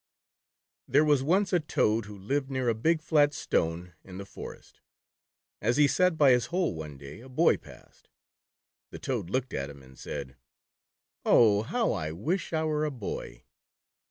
THERE was once a Toad who lived near a big flat stone in the forest. As he sat by his hole one day, a Boy passed. The Toad looked at him, and said :" Oh, how I wish I were a boy."